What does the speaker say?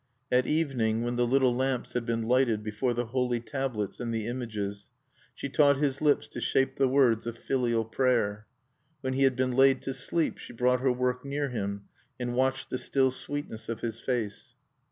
At evening, when the little lamps had been lighted before the holy tablets and the images, she taught his lips to shape the words of filial prayer. When he had been laid to sleep, she brought her work near him, and watched the still sweetness of his face.